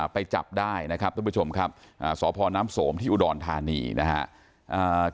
ไปจับได้นะครับท่านผู้ชมครับสพน้ำสมที่อุดรธานีนะครับ